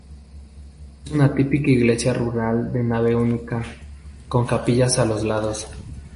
Es una típica iglesia rural de nave única, con capillas a los lados.